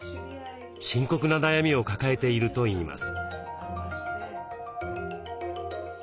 深刻な悩みを抱えているといいます。